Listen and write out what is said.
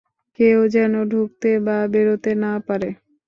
কেউ যেন ঢুকতে বা বেরোতে না পারে।